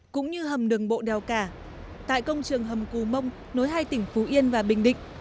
cũng như hầm đường bộ đèo cả tại công trường hầm cù mông nối hai tỉnh phú yên và bình định